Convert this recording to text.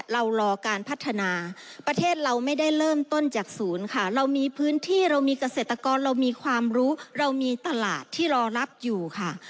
เรามีพื้นที่เรามีเกษตรกรเรามีความรู้เรามีตลาดที่รอรับอยู่ค่ะ